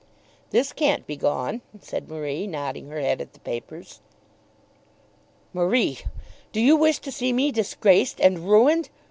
"This can't be gone," said Marie, nodding her head at the papers. "Marie, do you wish to see me disgraced and ruined?